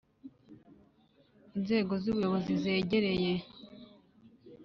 inzego z ubuyobozi zegereye